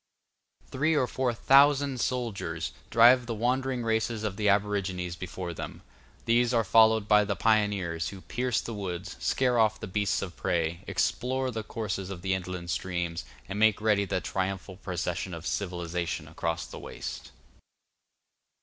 Three or four thousand soldiers drive the wandering races of the aborigines before them; these are followed by the pioneers, who pierce the woods, scare off the beasts of prey, explore the courses of the inland streams, and make ready the triumphal procession of civilization across the waste.